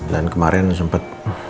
dan kemarin sempat